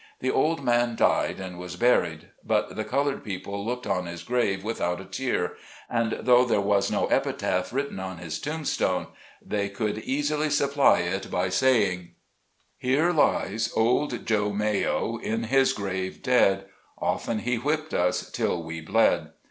The old man died and was buried. But the colored peopl6 looked on his grave without a tear, and though there was no epitaph written on his tomb stone, they could easily supply it by saying :" Here lies ' old Joe Mayo ' in his grave dead, Often he whipped us till we bled.